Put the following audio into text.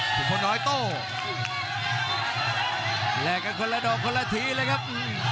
คุณพ่อน้อยโต้แลกกันคนละดอกคนละทีเลยครับ